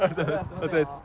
お疲れっす。